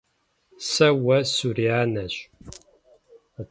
Сэ уэ сурианэщ!